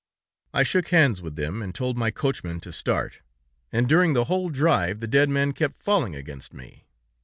"I shook hands with them, and told my coachman to start, and during the whole drive the dead man kept falling against me.